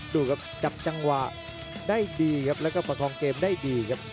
ดูครับจับจังหวะได้ดีครับแล้วก็ประคองเกมได้ดีครับ